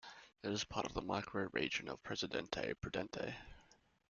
It is part of the microregion of Presidente Prudente.